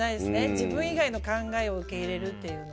自分以外の考えを受け入れるっていう。